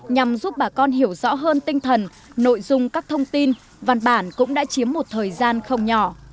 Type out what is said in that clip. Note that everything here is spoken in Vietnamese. nhằm giúp bà con hiểu rõ hơn tinh thần nội dung các thông tin văn bản cũng đã chiếm một thời gian không nhỏ